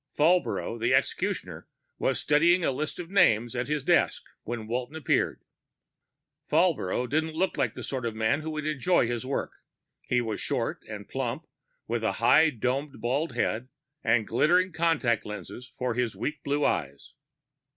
Falbrough, the executioner, was studying a list of names at his desk when Walton appeared. Falbrough didn't look like the sort of man who would enjoy his work. He was short and plump, with a high domed bald head and glittering contact lenses in his weak blue eyes.